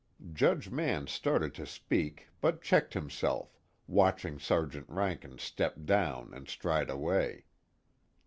Judge Mann started to speak but checked himself, watching Sergeant Rankin step down and stride away.